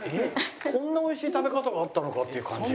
こんな美味しい食べ方があったのかっていう感じ。